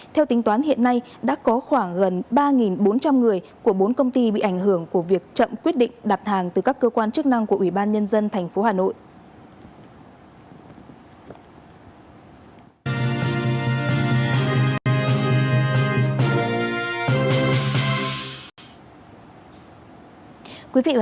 theo tính toán hiện nay đã có khoảng gần ba bốn trăm linh người của bốn công ty bị ảnh hưởng của việc chậm quyết định đặt hàng từ các cơ quan chức năng của ủy ban nhân dân tp hcm